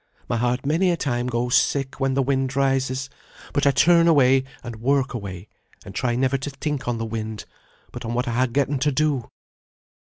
My heart many a time goes sick when the wind rises, but I turn away and work away, and try never to think on the wind, but on what I ha' getten to do."